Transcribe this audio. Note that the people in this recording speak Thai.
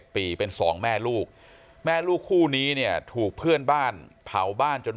ปีเป็น๒แม่ลูกแม่ลูกคู่นี้เนี่ยถูกเพื่อนบ้านเผาบ้านจน